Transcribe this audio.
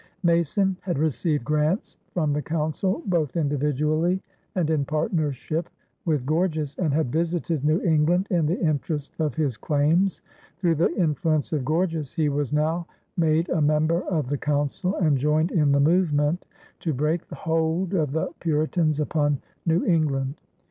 Mason had received grants from the Council, both individually and in partnership with Gorges, and had visited New England in the interest of his claims. Through the influence of Gorges, he was now made a member of the Council and joined in the movement to break the hold of the Puritans upon New England.